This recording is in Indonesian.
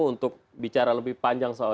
untuk bicara lebih panjang soal